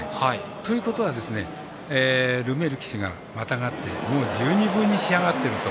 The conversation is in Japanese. ということはルメール騎手がまたがって十二分に仕上がっていると。